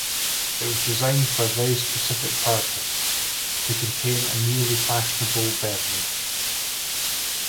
It was designed for a very specific purpose: to contain a newly fashionable beverage.